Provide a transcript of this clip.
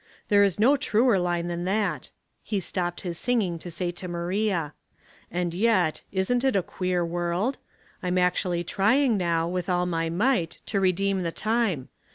" There is no truer line than that," he stopped his singing to say to Maria ;'' and yet, isn't it a queer world ? I'm actually trying now, with all my might, to redeem the time.